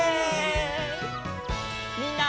みんな。